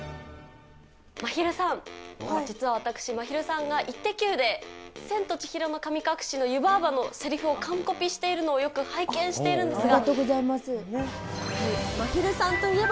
まひるさん、実は私、まひるさんがイッテＱ！で千と千尋の神隠しの湯婆婆のセリフを完コピしているのをよく拝見しているんですが。